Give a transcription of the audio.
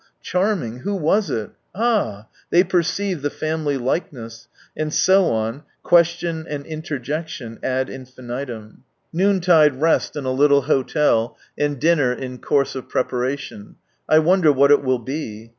Charming! Who was it ? Ah! H They perceived the family likeness ! And so on, question and interjection ad ^M infinitum. H ... Noontide rest in a little hotel, and dinner in course of preparation. I H wonder what it will be.